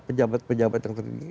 pejabat pejabat yang tertinggi